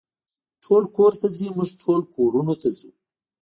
ټول کور ته ځي، موږ ټول کورونو ته ځو.